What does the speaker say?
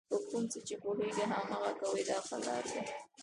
په کوم څه چې پوهېږئ هماغه کوئ دا ښه لار ده.